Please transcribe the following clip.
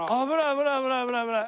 危ない危ない危ない危ない。